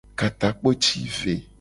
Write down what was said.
Ka takpo ci ve.